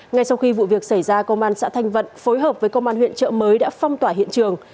ngay sau khi vụ việc xảy ra công an xã thanh vận phối hợp với công an huyện trợ mới đã phong tỏa hiện trường